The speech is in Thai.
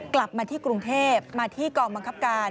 กลับมาที่กรุงเทพมาที่กองบังคับการ